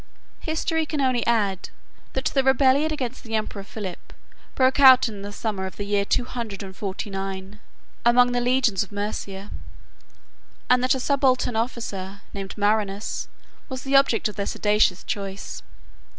History can only add, that the rebellion against the emperor Philip broke out in the summer of the year two hundred and forty nine, among the legions of Mæsia; and that a subaltern officer, 1 named Marinus, was the object of their seditious choice.